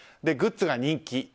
グッズが人気。